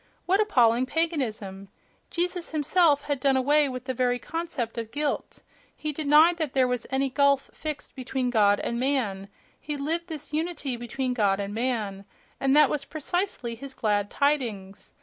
What appalling paganism!—Jesus him self had done away with the very concept of "guilt," he denied that there was any gulf fixed between God and man; he lived this unity between God and man, and that was precisely his "glad tidings"....